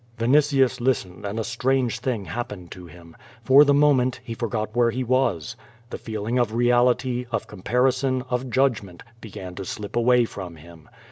Vinitius listened and a strange thing happened to him. For the moment he forgot where he was. The feeling of reality, of comparison, of judgement, began to slip away from him.